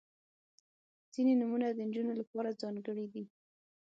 • ځینې نومونه د نجونو لپاره ځانګړي دي.